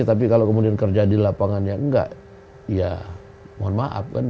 tapi kalau kemudian kerja di lapangan ya enggak ya mohon maaf kan